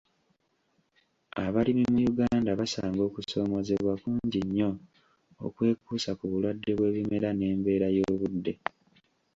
Abalimi mu Uganda basanga okusoomozeebwa kungi nnyo okwekuusa ku bulwadde bw'ebimera n'embeera y'obudde.